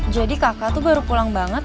jadi kakak tuh baru pulang banget